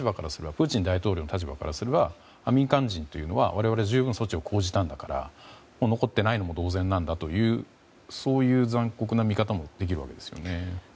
プーチン大統領の立場からすれば民間人というのは我々は十分措置を講じたんだから残っていないのが当然なんだという残酷な見方もできるわけですよね。